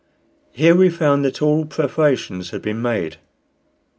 Here we found that all preparations had been made.